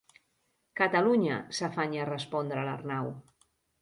Catalunya —s'afanya a respondre l'Arnau.